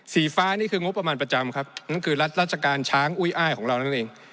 สีฟ้านี่คืองบประมาณประจำครับนั่นคือรัฐราชการช้างอุ้ยอ้ายของเรานั่นเอง